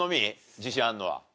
自信あるのは。